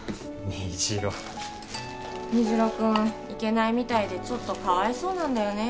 虹朗虹朗君行けないみたいでちょっとかわいそうなんだよね